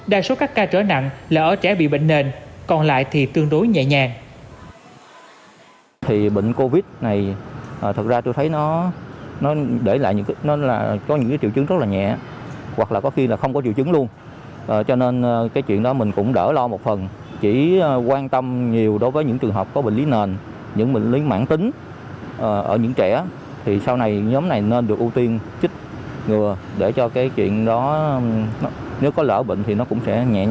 đa số các ca trở nặng là ở trẻ bị bệnh nền còn lại thì tương đối nhẹ nhàng